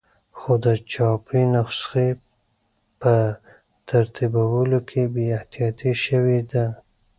خو د چاپي نسخې په ترتیبولو کې بې احتیاطي شوې ده.